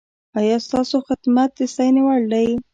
ایا ستاسو خدمت د ستاینې وړ دی؟